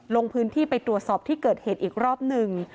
ลงพื้นที่ไปตรวจสอบที่เกิดเหตุอีกรอบหนึ่ง